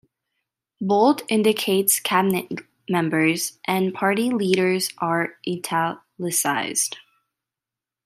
Bold indicates cabinet members, and "party leaders" are "italicized".